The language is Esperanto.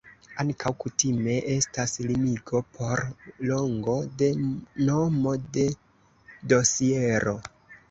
Ankaŭ kutime estas limigo por longo de nomo de dosiero.